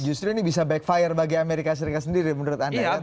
justru ini bisa backfire bagi amerika serikat sendiri menurut anda